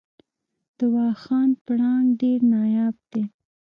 د واخان پړانګ ډیر نایاب دی